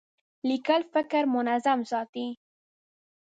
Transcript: لیکل فکر منظم ساتي.